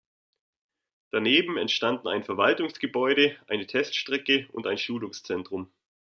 Daneben entstanden ein Verwaltungsgebäude, eine Teststrecke und ein Schulungszentrum.